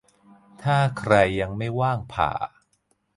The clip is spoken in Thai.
ถ้าใครยังไม่ว่างผ่า